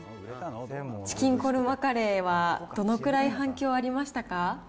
チキンコルマカレーはどのくらい反響ありましたか。